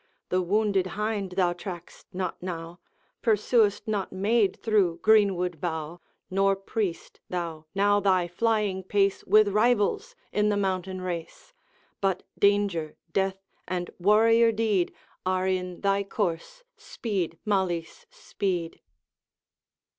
The wounded hind thou track'st not now, Pursuest not maid through greenwood bough, Nor priest thou now thy flying pace With rivals in the mountain race; But danger, death, and warrior deed Are in thy course speed, Malise, speed!